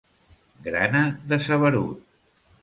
Grana de saberut!